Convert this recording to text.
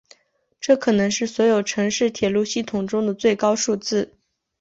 这可能是所有城市铁路系统中的最高数字。